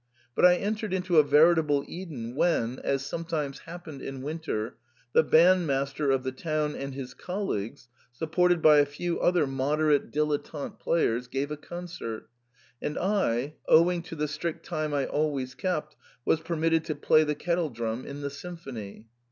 But I entered into a veritable Eden when, as sometimes happened in winter, the bandmaster of the town and his colleagues, supported by a few other moderate dil ettante players, gave a concert, and I, owing to the strict time I always kept, was permitted to play the kettle drum in the symphony.